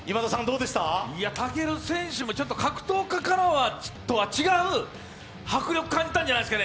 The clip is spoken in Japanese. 武尊選手も格闘家とは違う迫力感じたんじゃないですかね。